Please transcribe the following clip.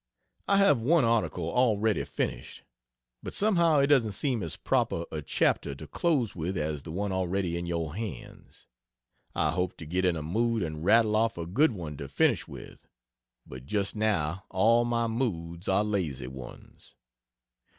I have one article already finished, but somehow it doesn't seem as proper a chapter to close with as the one already in your hands. I hope to get in a mood and rattle off a good one to finish with but just now all my moods are lazy ones.